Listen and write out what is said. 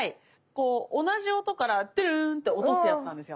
こう同じ音からトゥルンって落とすやつなんですよ。